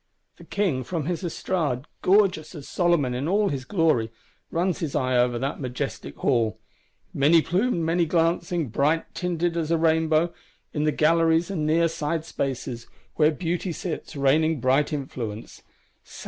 The King from his estrade, gorgeous as Solomon in all his glory, runs his eye over that majestic Hall; many plumed, many glancing; bright tinted as rainbow, in the galleries and near side spaces, where Beauty sits raining bright influence.